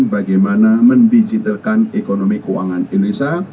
dan juga mendidikkan ekonomi keuangan indonesia